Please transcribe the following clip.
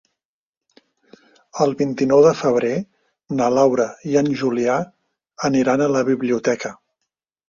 El vint-i-nou de febrer na Laura i en Julià aniran a la biblioteca.